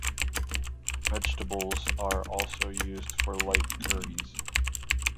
Vegetables are also used for light curries.